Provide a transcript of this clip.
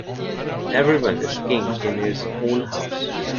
Every one is king in his own house.